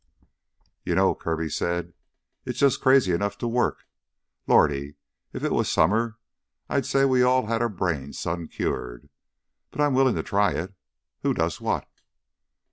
"You know," Kirby said, "it's jus' crazy enough to work. Lordy if it was summer, I'd say we all had our brains sun cured, but I'm willin' to try it. Who does what?"